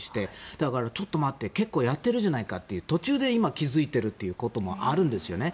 だから、ちょっと待って結構やってるじゃないかという途中で今、気付いているということもあるんですよね。